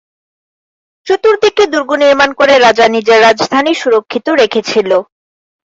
চতুর্দিকে দুর্গ নির্মাণ করে রাজা নিজের রাজধানী সুরক্ষিত রেখেছিল।